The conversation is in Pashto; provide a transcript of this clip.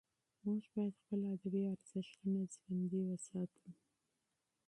موږ باید خپل ادبي ارزښتونه ژوندي وساتو.